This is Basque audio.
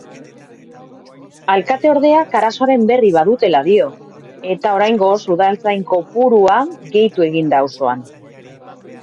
Alkate-ordeak arazoaren berri badutela dio eta oraingoz udaltzain kopurua gehitu egin da auzoan.